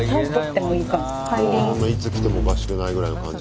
もういつ来てもおかしくないぐらいの感じ。